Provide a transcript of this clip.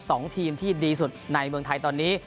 สองทีมที่ดีสุดในเมืองไทยตอนนี้